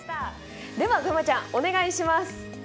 では、ぐんまちゃんお願いします。